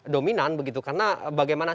dominan begitu karena bagaimana